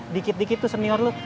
dikit dikit tuh senior lo